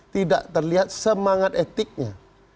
tidak terlihat semangat etiknya